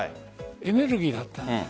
エネルギーだった。